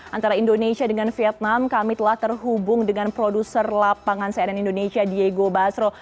antara indonesia dengan vietnam kami telah terhubung dengan produser lapangan cnn indonesia diego basro